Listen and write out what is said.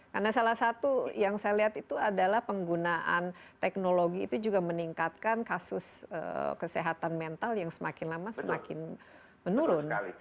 karena salah satu yang saya lihat itu adalah penggunaan teknologi itu juga meningkatkan kasus kesehatan mental yang semakin lama semakin menurun